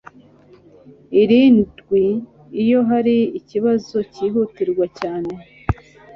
irindwi iyo hari ikibazo cyihutirwa cyane